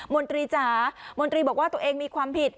มนตรีจ๋ามนตรีบอกว่าตัวเองมีความผิด